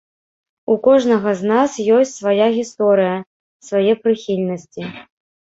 У кожнага з нас ёсць свая гісторыя, свае прыхільнасці.